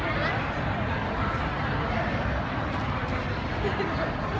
ราชนึงของใครเหรอลูก